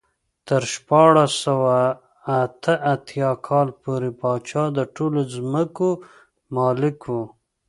تر شپاړس سوه اته اتیا کال پورې پاچا د ټولو ځمکو مالک و.